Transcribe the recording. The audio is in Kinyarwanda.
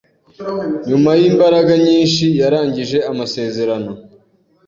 Nyuma yimbaraga nyinshi, yarangije amasezerano.